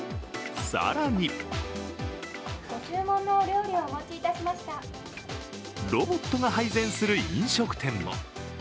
更にロボットが配膳する飲食店も。